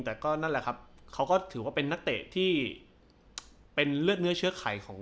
แต่ก็นั่นแหละครับเขาก็ถือว่าเป็นนักเตะที่เป็นเลือดเนื้อเชื้อไขของ